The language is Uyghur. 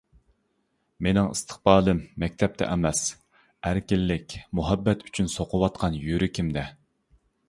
مېنىڭ ئىستىقبالىم مەكتەپتە ئەمەس، ئەركىنلىك، مۇھەببەت ئۈچۈن سوقۇۋاتقان يۈرىكىمدە!